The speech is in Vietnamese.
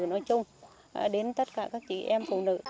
nói chung đến tất cả các chị em phụ nữ